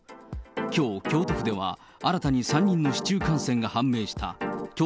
きょう、京都府では新たに３人の市中感染が判明した。